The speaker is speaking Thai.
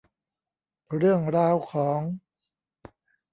เรื่องราวของ